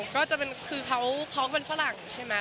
เค้าเป็นฝรั่งใช่ไหม